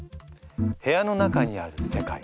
部屋の中にある世界。